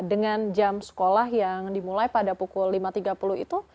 dengan jam sekolah yang dimulai pada pukul lima tiga puluh itu